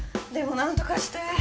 でも何とかして。